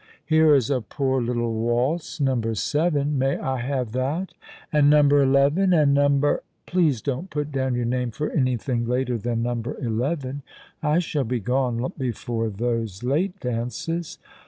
Here is a poor little waltz — number seven. May I have that, and number eleven, and number "*' Please don't put down your name for anything later than number eleven. I shall be gone long before those late dances."